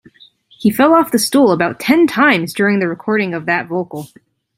He fell off the stool about ten times during the recording of that vocal.